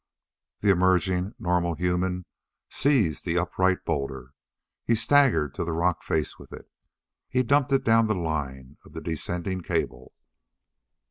The emerging normal human seized the upright boulder. He staggered to the rock face with it. He dumped it down the line of the descending cable.